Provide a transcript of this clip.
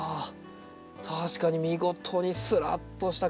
確かに見事にすらっとした茎。